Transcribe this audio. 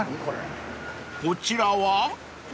［こちらは？］